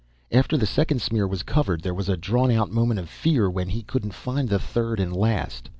After the second smear was covered there was a drawn out moment of fear when he couldn't find the third and last.